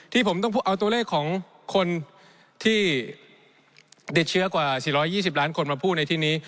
ที่ผมต้องเอาตัวเลขของคนที่ติดเชื้อกว่า๔๒๐ล้านคนมาพูดในที่นี้